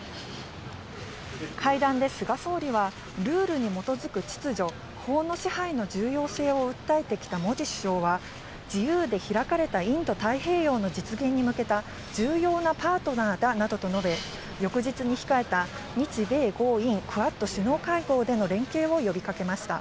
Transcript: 会談で菅総理は、ルールに基づく秩序、法の支配の重要性を訴えてきたモディ首相は自由で開かれたインド太平洋の実現に向けた重要なパートナーだなどと述べ、翌日に控えた日米豪印クアッド首脳会合での連携を呼びかけました。